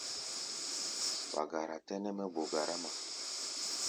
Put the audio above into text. Wa gara tɛ́nɛ́ mɛ́ gbo garáma.